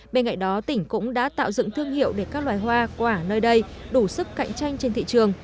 bên cạnh đó tỉnh cũng đã tạo dựng thương hiệu để các loài hoa quả nơi đây đủ sức cạnh tranh trên thị trường